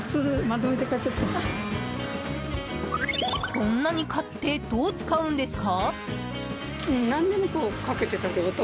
そんなに買ってどう使うんですか？